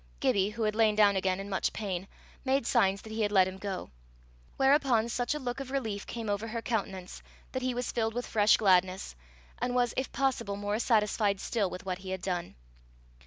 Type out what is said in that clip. Gibbie, who had lain down again in much pain, made signs that he had let him go: whereupon such a look of relief came over her countenance that he was filled with fresh gladness, and was if possible more satisfied still with what he had done.